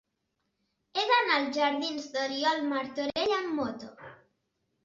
He d'anar als jardins d'Oriol Martorell amb moto.